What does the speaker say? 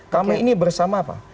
kami ini bersama apa